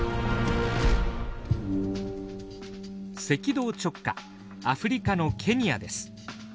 赤道直下アフリカのケニアです。